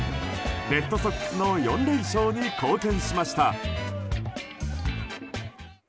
レッドソックスの４連勝に貢献しました。